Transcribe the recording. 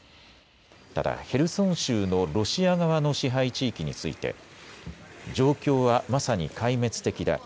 ただヘルソン州のロシア側の支配地域について状況はまさに壊滅的だ。